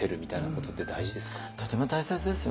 とても大切ですよね。